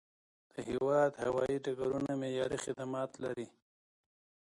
د هیواد هوایي ډګرونه معیاري خدمات لري.